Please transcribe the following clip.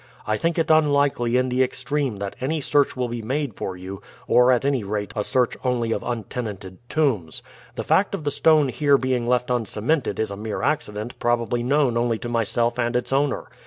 I think it unlikely in the extreme that any search will be made for you, or at any rate a search only of untenanted tombs. The fact of the stone here being left uncemented is a mere accident probably known only to myself and its owner.